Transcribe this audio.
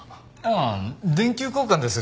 ああ電球交換です。